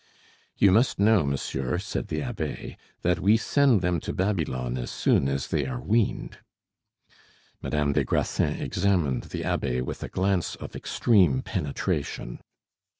"You must know, monsieur," said the abbe, "that we send them to Babylon as soon as they are weaned." Madame des Grassins examined the abbe with a glance of extreme penetration.